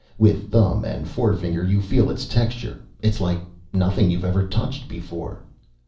With thumb and forefinger you feel its texture. It's like nothing you've ever touched before.